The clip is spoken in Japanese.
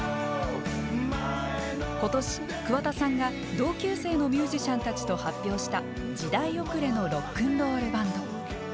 今年桑田さんが同級生のミュージシャンたちと発表した「時代遅れのＲｏｃｋ’ｎ’ＲｏｌｌＢａｎｄ」。